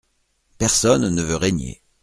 Personne ne veut régner.